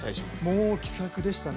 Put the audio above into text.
もう気さくでしたね。